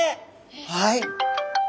はい。